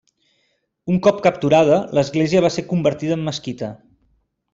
Un cop capturada, l'església va ser convertida en mesquita.